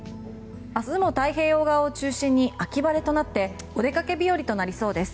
明日も太平洋側を中心に秋晴れとなってお出かけ日和となりそうです。